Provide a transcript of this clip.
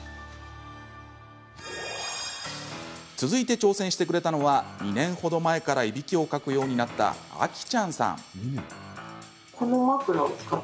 続いて挑戦してくれたのは２年ほど前から、いびきをかくようになったあきちゃんさん。